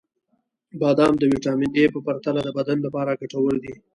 • بادام د ویټامین ای په پرتله د بدن لپاره ګټور دي.